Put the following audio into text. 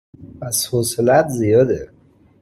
پس حوصلهات زیاده